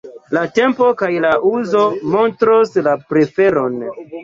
La tempo kaj la uzo montros la preferon.